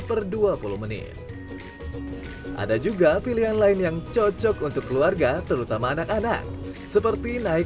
per dua puluh menit ada juga pilihan lain yang cocok untuk keluarga terutama anak anak seperti naik